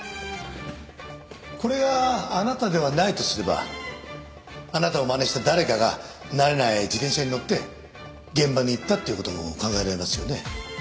これがあなたではないとすればあなたをまねした誰かが慣れない自転車に乗って現場に行ったという事も考えられますよね？